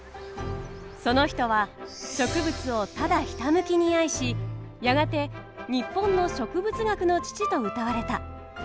その人は植物をただひたむきに愛しやがて日本の植物学の父とうたわれた。